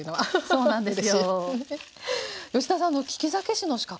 そうなんです。